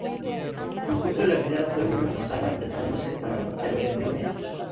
En julio la brigada fue muy reforzada, preparándose para la Batalla de Brunete.